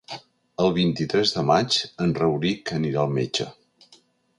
El vint-i-tres de maig en Rauric anirà al metge.